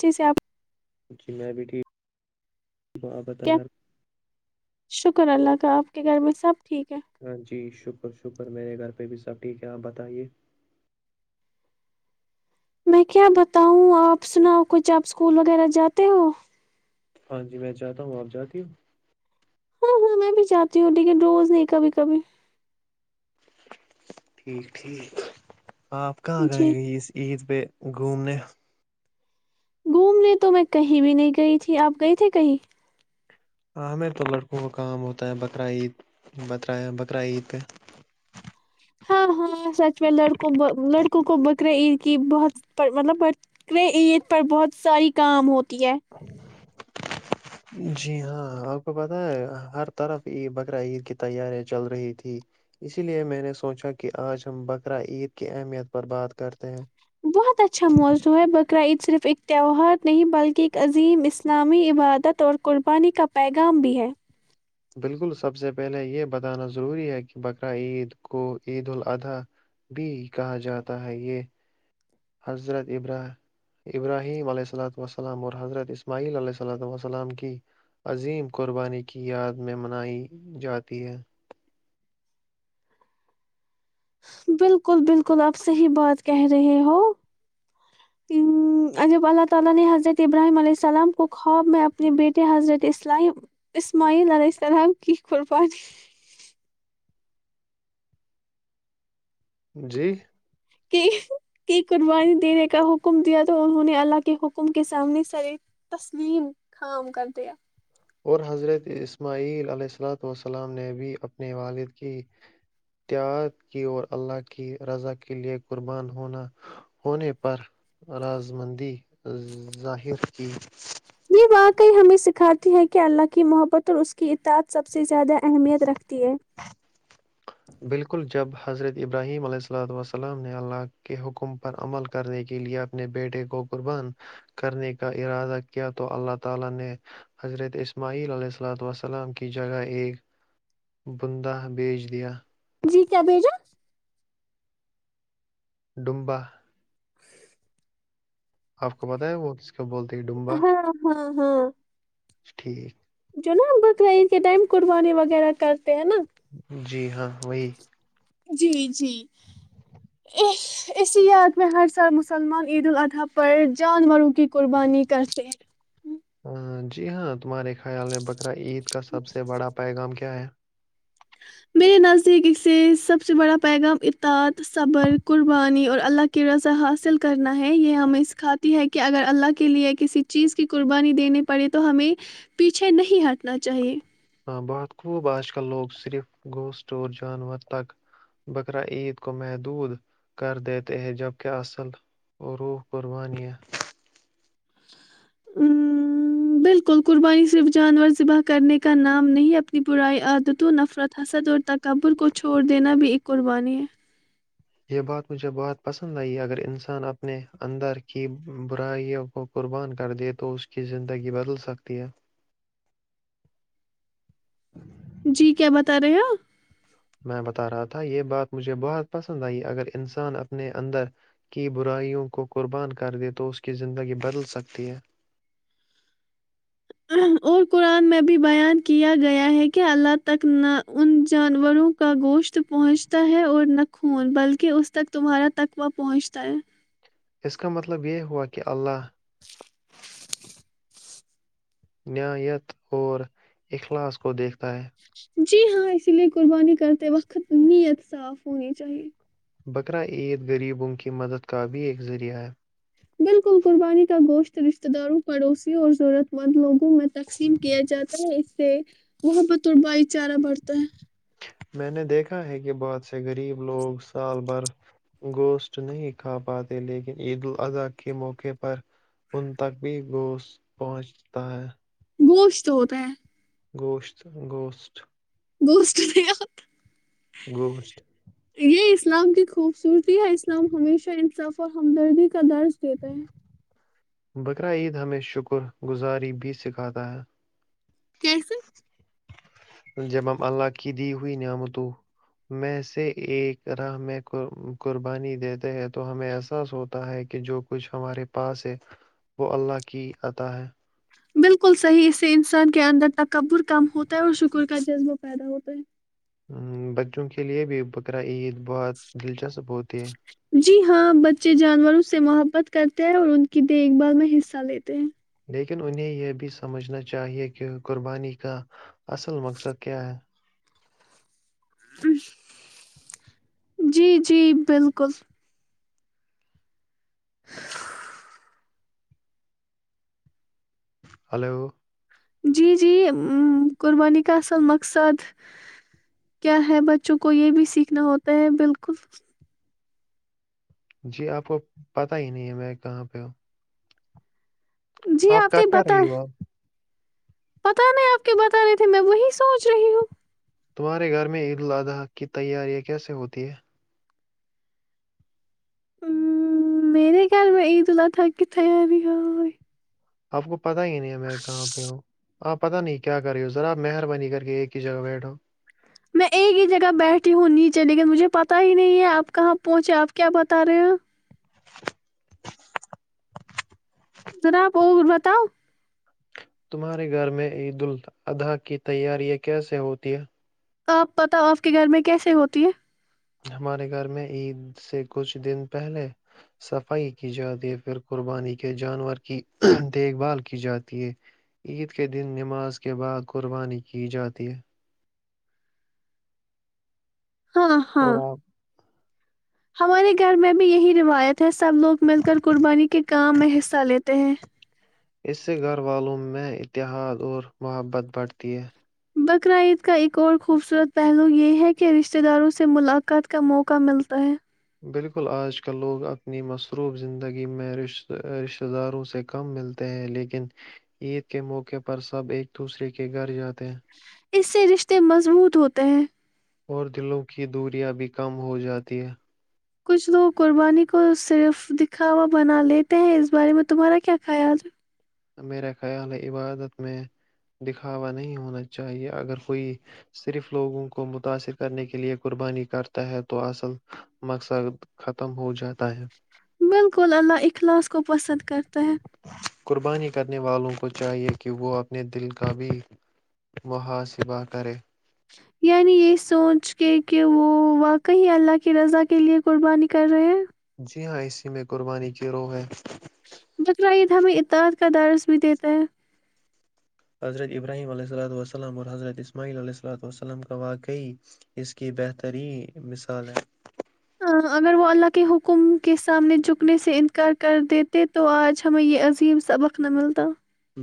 جیسے آپ جی میں بھی ٹھیک ہوں آپ بت کیا گھر شکر اللہ تو آپ کے گھر میں سب ٹھیک ہے ہاں جی شکری شکر شکر میرے گھر پہ بھی سب ٹھیک ہے آپ بتائیے میں کیا بتاؤوں آپ سناؤ کچھ آپ اسکول وغیرہ جاتے ہو ہاں جی میں چاہتا ہوں آپ جاتی ہوں ہاں ہاں میں بھی چاہتی ہوں ٹیکن روز نہیں کبھی کبھی ٹھیک ٹھیک آپ کہاں جی گائیں گی اس عید پ گھومنے گھومنے تو میں کہیں بھی نہیں گئی تھی آپ گئے تھے کہیں ہمیں تو لڑکوں کا کام ہوتا ہے بقرہ عید بقرہ بقرہ عید پہ ہاں ہاں سچ لڑکوں لڑکوں کو بکرے عید کہ بہت مطلب بقرے عید پر بہت ساری کام ہوتا م دیا جی ہاں آپ کو پتہ ہے ہر طرفید بقر عید کی تیاریا چل رہی تھی اسی لیے میں نے سوچا کہ آج ہم بقر عید کی اہمیت پر بات کرتے ہیں بہت اچھا موضوع ہے بقر عید صرف ایک تہوہار نہیں بلکہ ایک عظیم اسلامی عبادت اور قربانی کا پیغام بھی ہے بالکل سب سے پہلے یہ بتانا ضروری ہے کہ بقرہعید کو عید الالاضحی بھی کہا جاتا ہے یہ حضرت ابراہیم علیہ الۃ وسلمام اور حضرت اسماعیل علیہ اللۃ وسلم کی عظیم قربانی کی یاد میں منائی جاتی ہے بالکل بالکل اپ سے ہی بات کہہ رہے ہو جب اللہ تعالی نے حضرت ابراہیم علیہ السلام کو خواب میں اپنے بیٹے حضرت اسماعیل علیہ السلام کی قربانی جی کی قربانی دینے کا حکم دیا تو انہوں نے اللہ کے حکم کے سامنے سر تسلیم خام کر دیا اور حضرت اسماعیل علیہ اللاۃ والسلام نے بھی اپنے والد کی تیاد کی اور اللہ کی رضا کے لیے قربان ہونا ہونے پر رض مندی ظاہر کی یہ واقعی ہمیں سکھاتی ہے کہ اللہ کی محبت اور اس کی اطد سب سے زیادہ اہمیت رکھتی ہے بالکل جب حضرت ابراہیم علیہ اللا وسلام نے اللہ کے حکم پر عمل کرنے کے لیئے اپنے بیٹے کو قربان کرنے کا ارادہ کیا تو اللہ تعالی نے حضرت اسماعیل علیہ السل وسلام کی جگہ ایک بندہ بیچ دیا جی کیا بیجا ڈمبا آپ کو بت ہے وہ س بولتے ڈومبا ہاں ہاں ہاں ٹھیک جو نا بکر ان کے ٹائم قربانی وغیرہ کا [inaudible] جی ہاں وہی جی جی اسی یاد میں ہر سال مسلمان عید الاضحی پر جانوروں کی قربانی کرتے ہیں جی ہاں تمہارے خیال میں بقرا عید کا سب سے بڑا پیغام کیا ہے میرے نزدیک سے سب سے بڑا پیغام اتاد صبر قربانی اور اللہ کی رضا حاصل کرنا ہے یہ ہمیں سکھاتی ہے کہ اگر اللہ کے لیے کسی چیز کی قربانی دیی پڑے تو ہمیں پیچھے نہیں ہٹنا چاہیے بہت خوب آج کل لوگ صرف گوشت اور جانور تک بقر عید کو محدود کر دیتے ہیں جبک اصل اور روح قربانیا بالکل قربانی صرف جانور ذبح کرنے کا نام نہیں اپنی برائی عادتوں نفرت حسد اور تک کبر کو چھوڑ دینا بھی ایک قربانی ہے یہ بات مجھے بہت پسند آئی اگر انسان اپنے اندر کی برائیوں کو قربان کر دے تو اس کی زندگی بدل سکتی ہے ہ جی کیا بتا رہے ہو میں بتا رہا تھا یہ بات مجھے بہت پسند آئی اگر انسان اپنے اندر کی برائیوں کو قربان کر دے تو اس کی زندگی بدل سکتی ہے اور قرآن میں بھی بیان کیا گیا ہے کہ اللہ تک نہ ان جانوروں کا گوشت پہنچتا ہے اور نہ خون بلکہ اس تک تمہارا تقوہ پہنچتا ہے اس کا مطلب یہ ہوا کہ اللہ نیت اور اخلاص کو دیکھتا ہے جی ہاں اسی لیے قربانی کرتے وقت نیت صاف ہونی چاہیے بقرا عید غریبوں کی مدد کا بھی ایک ذریعہ ہے بالکل قربانی کا گوشت رشتہ داروں پڑوسی اور ضرورت مند لوگوں میں تقسیم کیا جاتا ہے اس سے وہاں پر طربائی چارہ بڑھتا ہے میں نے دیکھا ہے کہ بہت سے غریب لوگ سال بھر گوشت نہیں کھا پاتے لیکن عید الاضحی کے موقعے پر ان تک بھی گوشت پہنچتا ہے گوشت ہوتا ہے گوشت گوشت بست نہیں گوشت یہ اسلام کی خوبصورتی ہے اسلام ہمیشہ انصرف اور ہمدردی کا درج دیتے ہیں بقرا عید ہمیں شکر گزاری بھی سکھاتا ہے کیسے جب ہم اللہ کی دی ہوئی نعمت میں سے ایک راہ میں قربانی دیتے ہیں تو ہمیں احساس ہوتا ہے کہ جو کچھ ہمارے پاس ہے وہ اللہ کی آتا ہے بالکل صحیح اس سے انسان کے اندر تکبر کم ہوتا ہے اور شکر کا جذب پیدا ہوتا ہے ہ بچوں کے لیے بھی بقرا عید بہت دلچسپ ہوتی ہے جی ہاں بچے جانوروں سے محبت کرتے ہیں اور ان کی دیکھ بھال میں حصہ لیتے ہیں لیکن انہیں یہ بھی سمجھنا چاہیے کہ قربانی کا اصل مقصد کیا ہے جی جی بالکل [inaudible] ہلو جی جی قربانی کا اصل مقصد کیا ہے بچوں کو یہ بھی سیکھنا ہوتا ہے بالکل جی آپ کو پتا ہی نہیں ہے میں کہاں پہ ہوں جی آپ تو کر یہ کیا پت ہے رہی ہو آپ پت نہیں آپ کے بتانے تھے میں وہی سوچ رہی ہوں [unintelligible] ہ میرے گھر میں عید احی کی تاری ہو آپ کو پتا ہی نہیں ہے میں کہاں پہ ہوں ہپ پتا نہیں کیا کر رہی ہو ذراپ مہربانی کر کے ایک ہی جگہ بیٹھو میں ایک ہی جگہ بیٹھی ہوں نیچے لیکن مجھے پتا ہی نہیں ہے آپ کہاں پہنچے آپ کیا بتا رہے ہیں ذرا آپ اور بتاؤ [unintelligible] آپ پت آپ کے گھر میں کیسے ہوتی ہے؟ ہمارے گھر میں عید سے کچھ دن پہلے صفائی کی جاتی ہے پھر قربانی کے جانور کی دیکھ بھال کی جاتی ہے عید کے دن نماز کے بعد قربانی کی جاتی ہے ہاں اور ہاں آپ ہمارے گھر میں بھی یہی روایت تھے سب لوگ مل کر قربانی کے کام میں حصہ لیتے ہیں اس سے گھر والوم میں اتحاد اور محبت بڑھتی ہے بقر عید کا ایک اور خوبصورت پہلو یہ ہے کہ رشتہ داروں سے ملاقات کا موقع ملتا ہے بالکل آج کل لوگ اپنی مصروف زندگی میں رشتہ داروں سے کم ملتے ہیں لیکن عید کے موقع پر سب ایک دوسرے کے گھر جاتے تے ہیں [inaudible] اس سے رشتے مضبوط ہوتے ہیں اور دلوں کی دوریا بھی کم ہو جاتی ہیں کچھ لوگ قربانی کو صرف دکھاوا بنا لیتے ہیں اس بارے میں تمہارا کیا خیال ہے میرا خیال ہے عبادت میں دکھاوا نہیں ہونا چاہیے اگر کوئی صرف لوگوں کو متاثر کرنے کے لئے قربانی کرتا ہے تو اصل مقصد ختم ہو جاتا ہے بالکل اللہ اخلاص کو پسند کرتے ہیں قربانی کرنے والوں کو چاہیے کہ وہ اپنے دل کا بھی محاسبہ کرے یعنی یہ سوچ کے کہ وہ واقعی اللہ کی رضا کے لیے قربانی کر رہے ہیں جی ہاں اسی میں قربانی کی روح ہے بقرا عید ہمیں اتحاد کا درس بھی دیتا ہے حضرت ابراہیم علیہ اللۃ وسلم اور حضرت اسماعیل علیہ اللۃ وسلم کا واقعی اس کی بہترین مثال ہے اگر وہ اللہ کے حکم کے سامنے جکنے سے انکار کر دیتے تو آج ہمیں یہ عظیم سبق نہ ملتا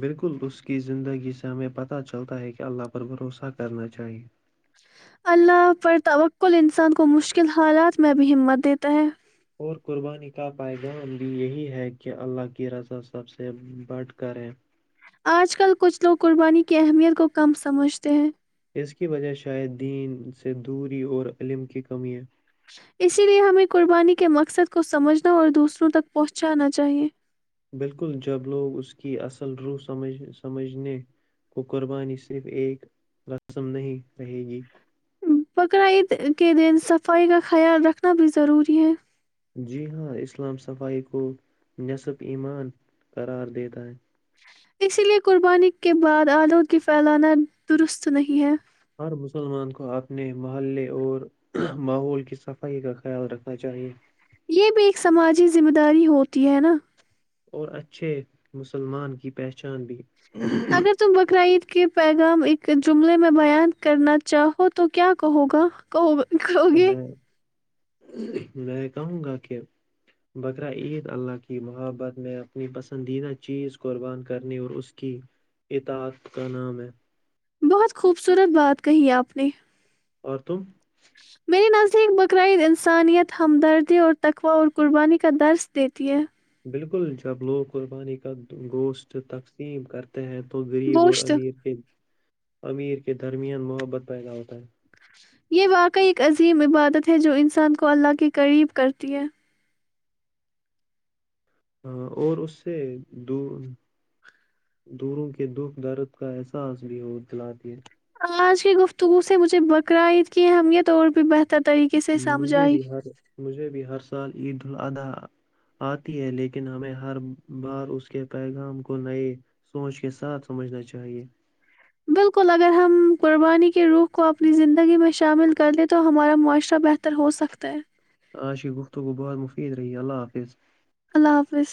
بالکل اس کی زندگی سے ہمیں پتہ چلتا ہے کہ اللہ پر بھروسہ کرنا چاہیے اللہ پر تقل انسان کو مشکل حالات میں بھی ہمت دیتا ہے اور قربانی کا پیغام بھی یہی ہے کہ اللہ کی رضا سب سے بڑھ کریں آج کل کچھ لوگ قربانی کی اہمیت کو کم سمجھتے ہیں اس کی وجہ شاید دین سے دوری اور علم کی کمی ہے اسی لیے ہمیں قربانی کے مقصد کو سمجھنا اور دوسروں تک پہنچانا چاہیئے بالکل جب لوگ اس کی اصل روح سمجھنے کو قربانی صرف ایک رسم نہیں رہے گی بقر عید کے دن صفائی کا خیال رکھنا بھی ضروری ہے جی ہاں اسلام صفائی کو نصب ایمان قرار دیتا ہے اسی لیے قربانی کے بعد آلودگی پھیلانا درست نہیں ہے ہر مسلمان کو اپنے محلے اور ماحول کی صفائی کا خیال رکھنا چاہیے یہ بھی ایک سماجی ذمہ داری ہوتی ہے نا اور اچھے مسلمان کی پہچان بھی اگر ت ب کرائی کہ پیغام ایک جملے میں بیان کرنا چاہو تو کیا کہو گا کہوگا تو میں میں کہوں گا کہ بقر عید اللہ کی محبت میں اپنی پسندیدہ چیز قربان کرنے اور اس کی اطات کا نام ہے بہت خوبصورت بات کہی آپ نے اور تم مری نزیک بقراید انسانیت ہمدردی اور تقوہء اور قربانی کا درس دیتی ہے بالکل جب لوگ قربانی کا گوشت تقسیم کرتے ت ہیں تو غریب اور گوشت امیر کے امیر کے درمیان محبت پیدا ہوتا ہے یہ واقعی ایک عظیم عبادت ہے جو انسان کو اللہ کے قریب کرتی ہے ہ اور اس سے د دوروں کے دکھ درد کا احساس بھی ہو دل د ہے آج کی گفتگو سے مجھے بقر عید کی ہیں ہممیت اور بھی بہتر طریقے سے سمجھ مجھے آئی بھی ہر مجھے بھی ہر سال عید الاضحی آتی ہے لیکن ہمیں ہر بار اس کے پیغام کو نئے سوچ کے ساتھ سمجھنا چاہیے بالکل اگر ہم قربانی کے روح کو اپنی زندگی میں شامل کر لیں تو ہمارا معاشرہ بہتر ہو سکتا ہے آجش کی گفتگو بہت مفید رہی ہے اللہ حافظ اللہ حافظ